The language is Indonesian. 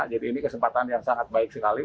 jadi ini kesempatan yang sangat baik sekali